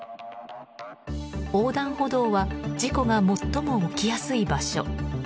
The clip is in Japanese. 横断歩道は事故が最も起きやすい場所。